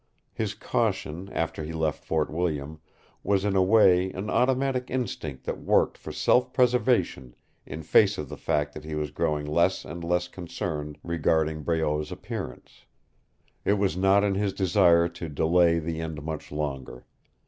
His caution, after he left Fort William, was in a way an automatic instinct that worked for self preservation in face of the fact that he was growing less and less concerned regarding Breault's appearance. It was not in his desire to delay the end much longer.